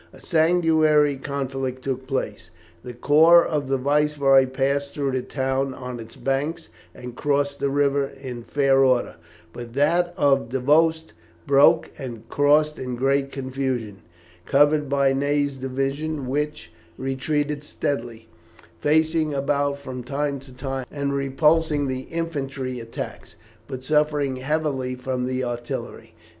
A sanguinary conflict took place, the corps of the Viceroy passed through the town on its banks, and crossed the river in fair order, but that of Davoust broke and crossed in great confusion, covered by Ney's division, which retreated steadily, facing about from time to time, and repulsing the infantry attacks, but suffering heavily from the artillery.